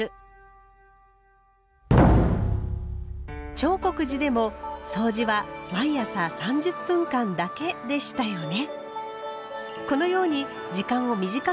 長谷寺でもそうじは毎朝３０分間だけでしたよね。